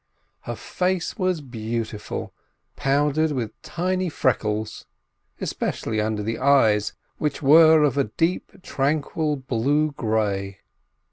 Her face was beautiful, powdered with tiny freckles; especially under the eyes, which were of a deep, tranquil blue grey.